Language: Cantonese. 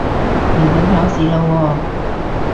嚟緊考試喇喎